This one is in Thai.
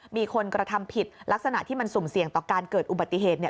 มีคนกระทำผิดลักษณะที่มันสุ่มเสี่ยงต่อการเกิดอุบัติเหตุเนี่ย